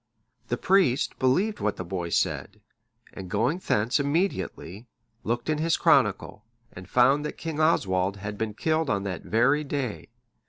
The priest believed what the boy said, and going thence immediately, looked in his chronicle, and found that King Oswald had been killed on that very day.